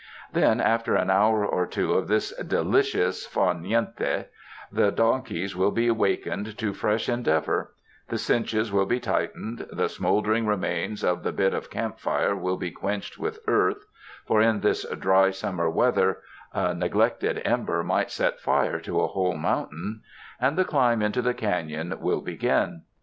Then, after an hour or two of this delicious far niente, the donkeys will be wakened to fresh en deavor; the cinches will be tightened; the smolder ing remains of the bit of camp fire will be quenched with earth — for in this dry summer weather a neg 72 THE MOUNTAINS lected ember might set fire to a whole mountain — and the climb into the cafion will begin.